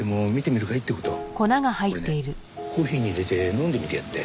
これねコーヒーに入れて飲んでみてやって。